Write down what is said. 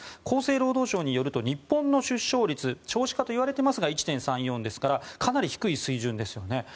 厚生労働省によると日本の出生率少子化といわれていますが１．３４ですからかなり低い水準ですよね。